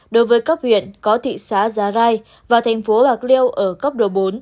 đối với các huyện có thị xá giờ rai và thành phố bạc liêu ở cấp độ bốn